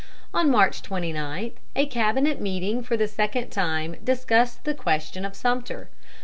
On March 29 a cabinet meeting for the second time discussed the question of Sumter.